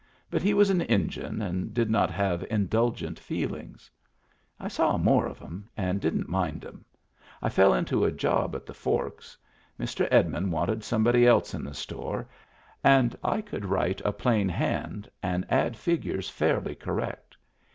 But he was an Injun and did not have indulgent feelings. I saw more of 'em and didn't mind 'em. I fell into a job at the Forks. Mr. Edmund wanted somebody else in the store, and I could write a plain hand and add figures fairly correct.